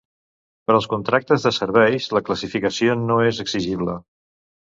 Per als contractes de serveis, la classificació no és exigible.